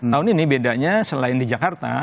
tahun ini bedanya selain di jakarta